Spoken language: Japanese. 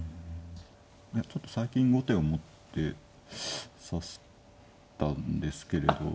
ちょっと最近後手を持って指したんですけれど。